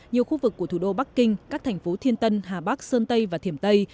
nhiều khu vực của thủ đô bắc kinh các thành phố thiên tân hà bắc sơn tây và thiểm tây